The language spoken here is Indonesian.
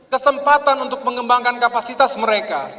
kesempatan untuk mengembangkan kapasitas mereka